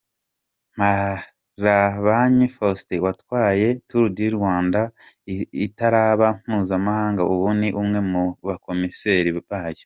Mparabanyi Faustin watwaye Tour du Rwanda itaraba mpuzamahanga ubu ni umwe mu komiseri bayo.